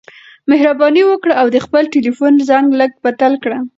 مهرباني وکړه او د خپل ټیلیفون زنګ لږ بدل کړه.